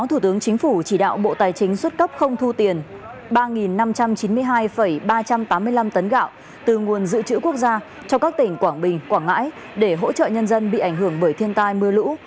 thủ tướng chính phủ chỉ đạo bộ tài chính xuất cấp không thu tiền ba năm trăm chín mươi hai ba trăm tám mươi năm tấn gạo từ nguồn dự trữ quốc gia cho các tỉnh quảng bình quảng ngãi để hỗ trợ nhân dân bị ảnh hưởng bởi thiên tai mưa lũ